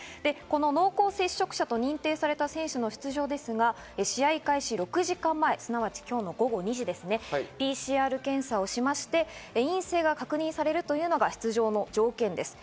濃厚接触者と認定された選手の出場ですが、試合開始６時間前、すなわち今日の午後２時ですね、ＰＣＲ検査をしまして陰性が確認されるというのが出場の条件です。